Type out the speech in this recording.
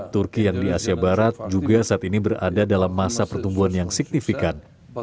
turki yang di asia barat juga saat ini berada dalam masa pertumbuhan yang signifikan